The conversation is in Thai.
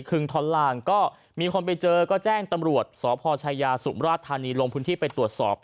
ึงทอนลางก็มีคนไปเจอก็แจ้งตำรวจสพชายาสุมราชธานีลงพื้นที่ไปตรวจสอบ